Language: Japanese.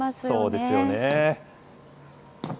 そうですよね。